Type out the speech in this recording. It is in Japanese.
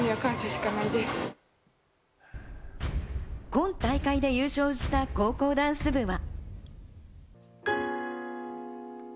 今大会で優勝した高校ダンス部は。